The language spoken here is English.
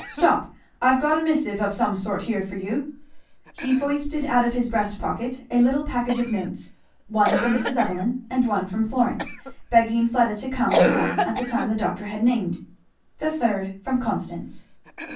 Stop I've got a missive of some sort here for you " He foisted out of his breast pocket a little package of notes; one from Mrs. Evelyn and one from Florence begging Fleda to come to them at the time the doctor had named; the third from Constance.